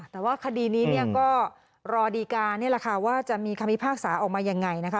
แต่ว่าคดีนี้เนี่ยก็รอดีการนี่แหละค่ะว่าจะมีคำพิพากษาออกมายังไงนะคะ